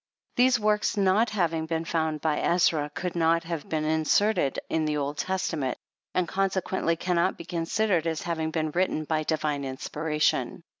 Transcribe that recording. These works, not having been found by Ezra, could not have been inserted in the Old Testament, and consequently cannot be con sidered as having been written by divine inspiration.